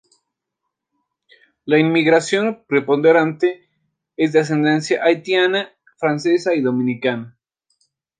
La inmigración preponderante es de ascendencia haitiana, francesa y dominicana.